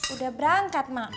udah berangkat mak